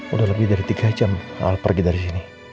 udah lebih dari tiga jam pergi dari sini